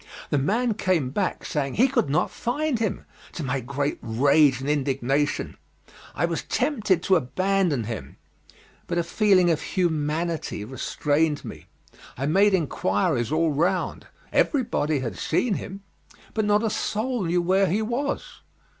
The man came back saying he could not find him, to my great rage and indignation. I was tempted to abandon him, but a feeling of humanity restrained me. I made enquiries all round; everybody had seen him, but not a soul knew where he was.